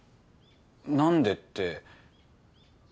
何でって。